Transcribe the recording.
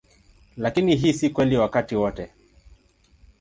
Lakini hii si kweli wakati wote.